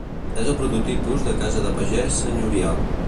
És el prototipus de casa de pagès senyorial.